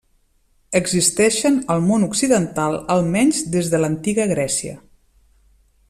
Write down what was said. Existeixen al món occidental almenys des de l'antiga Grècia.